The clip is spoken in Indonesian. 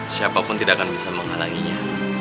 siapapun tidak akan bisa menghalanginya